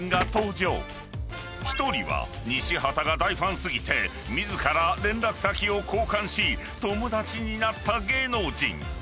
［一人は西畑が大ファン過ぎて自ら連絡先を交換し友達になった芸能人］